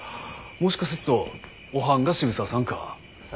もしかすっとおはんが渋沢さんか？へ？